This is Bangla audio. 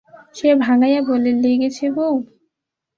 সে ভাঙাইয়া বলে, লেগেছে বৌ?